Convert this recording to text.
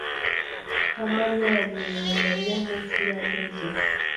Kamari yanyweye Mariya munsi yameza.